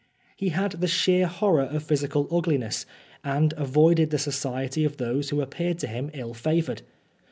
He had the sheer horror of physical ugliness, and avoided the society of those who appeared to him ill favoured.